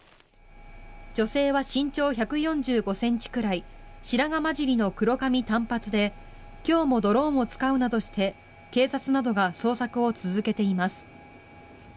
女性は身長１４５ｃｍくらい白髪交じりの黒髪短髪で今日もドローンを使うなどして警察などが捜索を続けています。